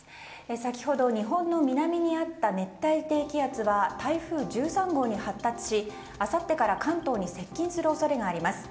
先ほど、日本の南にあった熱帯低気圧は台風１３号に発達しあさってから関東に接近する恐れがあります。